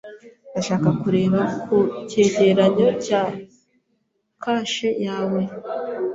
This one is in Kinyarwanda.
Ndashaka kureba ku cyegeranyo cya kashe yawe.